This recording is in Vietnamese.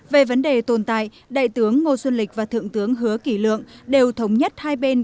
về vấn đề tồn tại đại tướng ngô xuân lịch và thượng tướng hứa kỷ lượng đều thống nhất hai bên